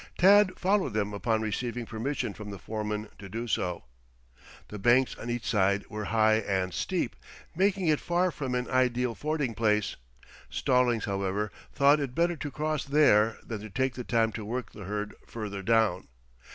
Tad followed them upon receiving permission from the foreman to do so. The banks on each side were high and steep, making it far from an ideal fording place. Stallings, however, thought it better to cross there than to take the time to work the herd further down.